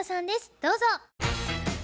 どうぞ。